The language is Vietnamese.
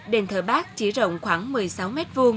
đền thờ bắc chỉ rộng khoảng một mươi sáu m hai